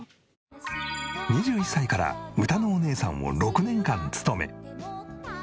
２１歳からうたのおねえさんを６年間務め。